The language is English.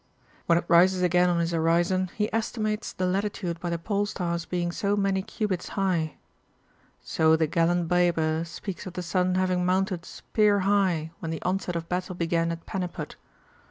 When it rises again on his horizon he esti mates the Latitude by the Pole star's being so many cubits high. So the gallant Baber speaks of the sun having mounted spear high when the onset of battle began at Paniput.